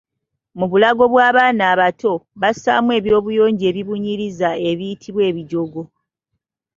Mu bulago bw’abaana abato, bassaamu eby’obuyonjo ebibunyiriza ebiyitibwa Ebijogo.